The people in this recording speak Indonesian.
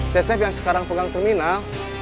cecep yang sekarang pegang terminal